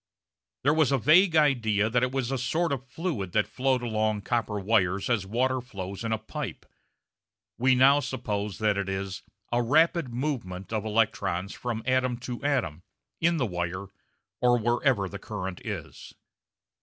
There was a vague idea that it was a sort of fluid that flowed along copper wires as water flows in a pipe. We now suppose that it is a rapid movement of electrons from atom to atom in the wire or wherever the current is.